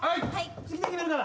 次で決めるから。